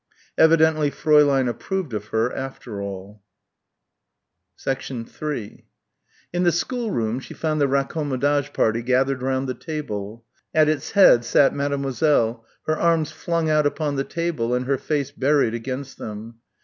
Evidently Fräulein approved of her, after all. 3 In the schoolroom she found the raccommodage party gathered round the table. At its head sat Mademoiselle, her arms flung out upon the table and her face buried against them.